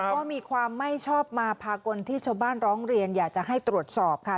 ว่ามีความไม่ชอบมาพากลที่ชาวบ้านร้องเรียนอยากจะให้ตรวจสอบค่ะ